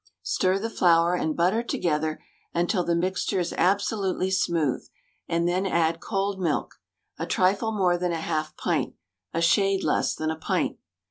Stir the flour and butter together until the mixture is absolutely smooth, and then add cold milk — a trifle more than a half pint, a shade less than a pint.